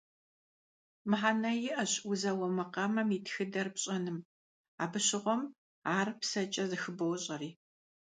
Мыхьэнэ иӀэщ узэуэ макъамэм и тхыдэр пщӀэным, абы щыгъуэм ар псэкӀэ зыхыбощӀэри.